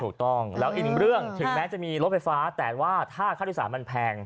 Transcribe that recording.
ถูกต้องแล้วอีกหนึ่งเรื่องถึงแม้จะมีรถไฟฟ้าแต่ว่าถ้าค่าโดยสารมันแพง